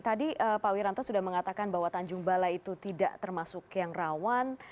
tadi pak wiranto sudah mengatakan bahwa tanjung balai itu tidak termasuk yang rawan